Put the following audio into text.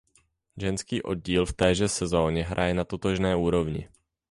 Ženský oddíl v téže sezóně hraje na totožné úrovni.